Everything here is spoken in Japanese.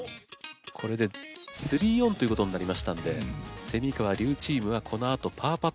これで３オンということになりましたんで川・笠チームはこのあとパーパット。